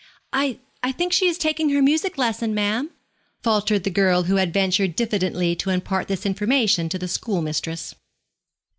'I think she is taking her music lesson, ma'am,' faltered the girl who had ventured diffidently to impart this information to the schoolmistress.